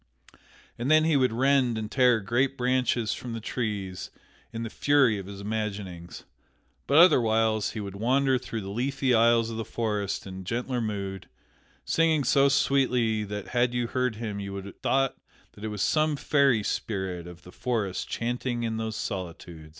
And then he would rend and tear great branches from the trees in the fury of his imaginings. But otherwhiles he would wander through the leafy aisles of the forest in gentler mood, singing so sweetly that had you heard him you would have thought that it was some fairy spirit of the forest chanting in those solitudes.